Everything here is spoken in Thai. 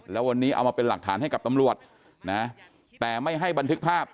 แล้ววันนี้เอามาเป็นหลักฐานให้กับตำรวจนะแต่ไม่ให้บันทึกภาพ